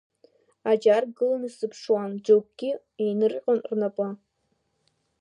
Аџьар гылан исзыԥшуан, џьоукгьы еинырҟьон рнапы.